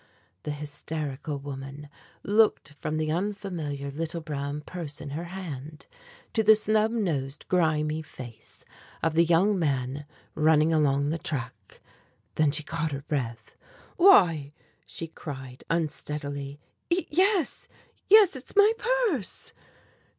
The hysterical woman looked from the unfamiliar little brown purse in her hand, to the snub nosed, grimy face of the young man running along the track, then she caught her breath. "Why, " she cried unsteadily, "yes yes, it's my purse."